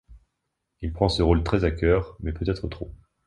Il prend ce rôle très à cœur, mais peut-être trop.